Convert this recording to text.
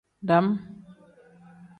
Dam.